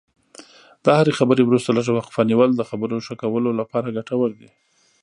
د هرې خبرې وروسته لږه وقفه نیول د خبرو ښه کولو لپاره ګټور دي.